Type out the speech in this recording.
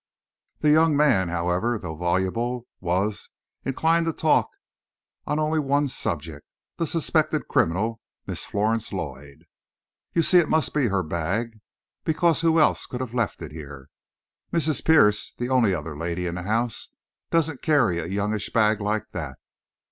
That young man however, though voluble, was, inclined to talk on only one subject, the suspected criminal, Miss Florence Lloyd. "You see, it must be her bag. Because who else could have left it here? Mrs. Pierce, the only other lady in the house, doesn't carry a youngish bag like that.